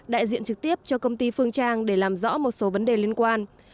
đại diện trực tiếp cho công ty phương trang để làm rõ một số vấn đề liên quan